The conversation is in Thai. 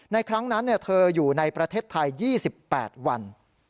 ครั้งนั้นเธออยู่ในประเทศไทย๒๘วัน